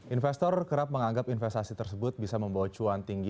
investor kerap menganggap investasi tersebut bisa membawa cuan tinggi